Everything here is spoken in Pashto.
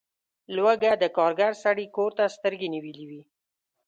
لوږه د کارګر سړي کور ته سترګې نیولي وي.